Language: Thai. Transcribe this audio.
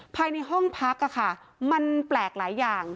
ภายในห้องพักมันแปลกหลายอย่าง